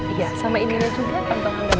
iya sama ininya juga